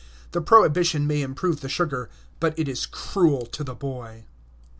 The prohibition may improve the sugar, but it is cruel to the boy.